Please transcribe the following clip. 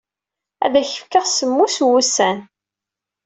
Ad ak-fkeɣ semmus wussan.